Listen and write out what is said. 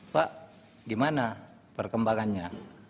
pak gimana perkembangannya